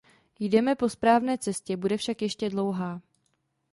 Jdeme po správné cestě, bude však ještě dlouhá.